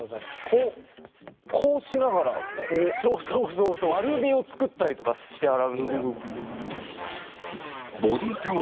こうこうしながらこう丸みを作ったりとかして洗うんだよ。